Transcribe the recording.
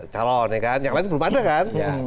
calon yang lain belum ada kan